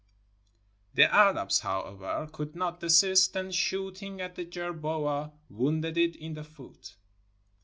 The Arabs, however, could not desist, and shooting at the jerboa, wounded it in the foot.